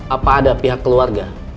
apa ada pihak keluarga